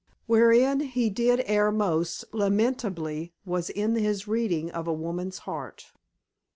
Wherein he did err most lamentably was in his reading of a woman's heart.